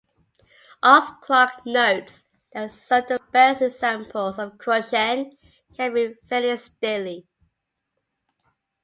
Oz Clarke notes that some the best examples of Crouchen can be "fairly steely".